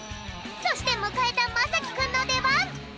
そしてむかえたまさきくんのでばん。